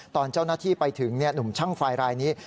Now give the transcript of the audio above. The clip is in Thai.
ตอนเจ้าหน้าที่ไปถึงหนุ่มช่างไฟรายนี้